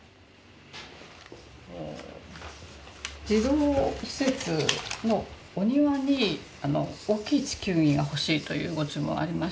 児童施設のお庭に大きい地球儀が欲しいというご注文ありまして。